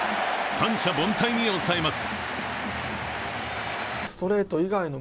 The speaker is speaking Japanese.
三者凡退に抑えます。